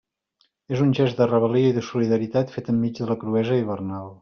És un gest de rebel·lia i de solidaritat fet enmig de la cruesa hivernal.